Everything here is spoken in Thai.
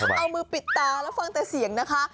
เอามือปิดตาแล้วฟังแต่เสียงนะคะ